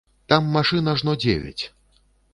Там машын ажно дзевяць.